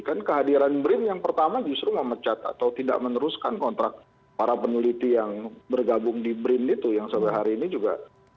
kan kehadiran brin yang pertama justru memecat atau tidak meneruskan kontrak para peneliti yang bergabung di brin itu yang sampai hari ini juga